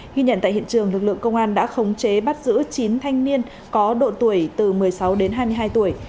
ghi nhận tại hiện trường lực lượng công an đã khống chế bắt giữ chín thanh niên có độ tuổi từ một mươi sáu đến hai mươi hai tuổi